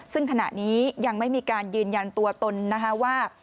ซึ่งขณะนี้ยังไม่มีการยืนยันตัวตนนะคะว่า